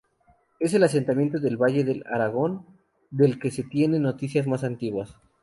Es el asentamiento del Valle del Aragón del que se tienen noticias más antiguas.